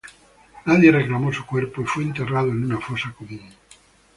Nadie reclamó su cuerpo y fue enterrado en una fosa común.